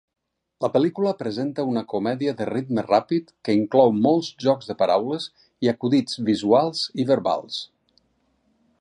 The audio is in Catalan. La pel·lícula presenta una comèdia de ritme ràpid que inclou molts jocs de paraules i acudits visuals i verbals.